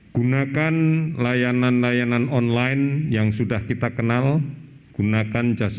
gunakan layanan layanan online yang sudah kita kenal gunakan jasa